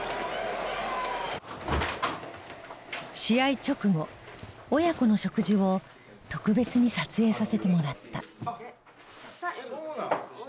試合直後親子の食事を特別に撮影させてもらった。